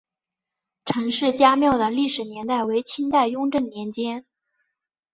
陈氏家庙的历史年代为清代雍正年间。